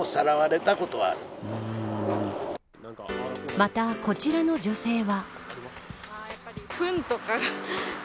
またこちらの女性は。